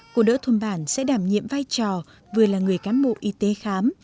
cô đỡ thôn bản sẽ đảm nhiệm vai trò vừa là người cán bộ y tế khám